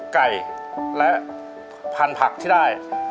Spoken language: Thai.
ไก่และพันธุ์ผักที่ได้